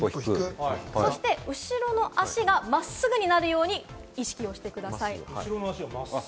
そして後ろの足が真っすぐになるように意識をしてください。